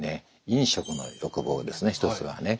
飲食の欲望ですね一つはね。